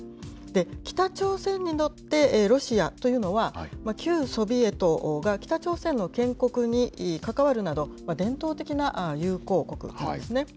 北朝鮮にとってロシアというのは、旧ソビエトが、北朝鮮の建国に関わるなど、伝統的な友好国なんですね。